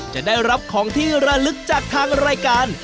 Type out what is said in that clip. จะได้รับของที่ระลึกจากทางรายการ